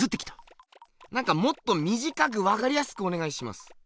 もっとみじかくわかりやすくおねがいします！